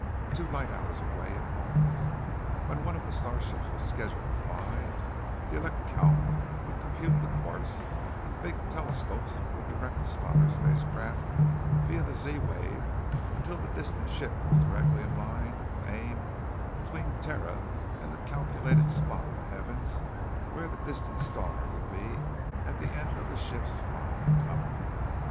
Two light hours away it was. When one of the star ships was scheduled to fly, the elecalc would compute the course and the big telescopes would direct the spotter spacecraft via the Z wave until the distant ship was directly in the line of aim between Terra and the calculated spot in the heavens where the distant star would be at the end of the ship's flying time.